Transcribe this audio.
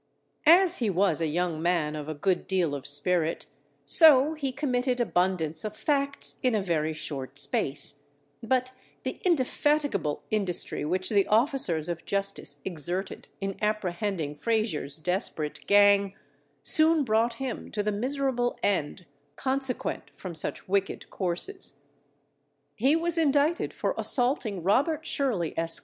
As he was a young man of a good deal of spirit, so he committed abundance of facts in a very short space; but the indefatigable industry which the officers of Justice exerted, in apprehending Frazier's desperate gang, soon brought him to the miserable end consequent from such wicked courses. He was indicted for assaulting Robert Sherly, Esq.